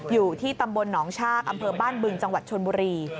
อยู่ที่ตำบลหนองชากอำเภอบ้านบึงจังหวัดชนบุรี